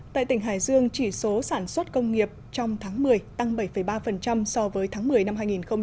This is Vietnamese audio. tại tỉnh hải dương chỉ số sản xuất công nghiệp trong tháng một mươi tăng bảy ba so với tháng một mươi năm hai nghìn một mươi chín